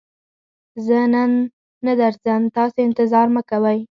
زه نن نه درځم، تاسې انتظار مکوئ!